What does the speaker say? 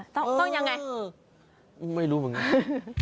ต้องยังไงไม่รู้เหมือนกัน